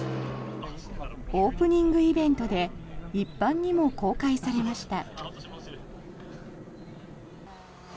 オープニングイベントで一般にも公開されました。